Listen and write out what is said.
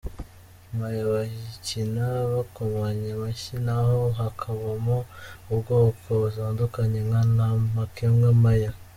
Maya : bayikina bakomanya amashyi naho hakabamo ubwoko butandukanye nka ntamakemwa, maya,.